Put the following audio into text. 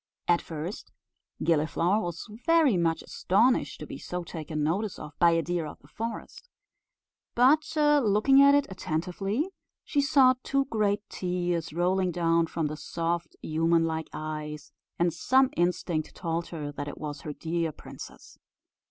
At first Gilliflower was very much astonished to be so taken notice of by a deer of the forest; but looking at it attentively, she saw two great tears rolling down from the soft human like eyes, and some instinct told her that it was her dear princess.